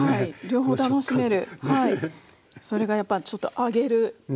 それがやっぱちょっと揚げる楽しさですね。